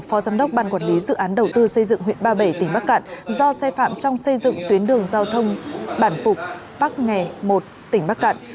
phó giám đốc ban quản lý dự án đầu tư xây dựng huyện ba bể tỉnh bắc cạn do xe phạm trong xây dựng tuyến đường giao thông bản phục bắc nghè một tỉnh bắc cạn